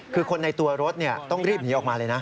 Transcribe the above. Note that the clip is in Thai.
คือคนในตัวรถต้องรีบหนีออกมาเลยนะ